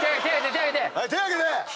手上げて！